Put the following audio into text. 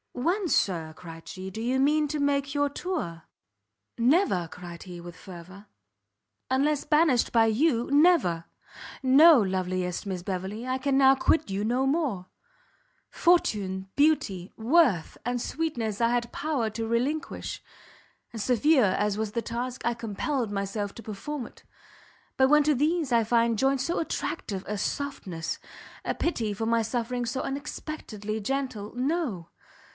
"When, Sir," cried she, "do you mean to make your tour?" "Never!" cried he, with fervour, "unless banished by you, never! no, loveliest Miss Beverley, I can now quit you no more! Fortune, beauty, worth and sweetness I had power to relinquish, and severe as was the task, I compelled myself to perform it, but when to these I find joined so attractive a softness, a pity for my sufferings so unexpectedly gentle no!